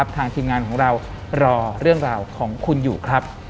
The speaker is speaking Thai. ทีมงานของเรารอเรื่องราวของคุณอยู่ครับ